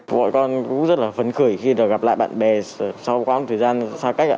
bọn con cũng rất là phấn khởi khi được gặp lại bạn bè sau quãng thời gian xa cách ạ